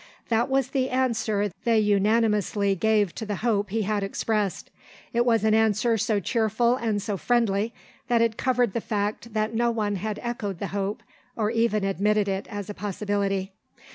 That was the answer they unanimously gave to the hope he had expressed. It was an answer so cheerful and so friendly that it covered the fact that no one had echoed the hope, or even admitted it as a possibility.